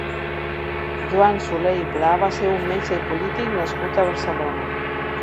Joan Solé i Pla va ser un metge i polític nascut a Barcelona.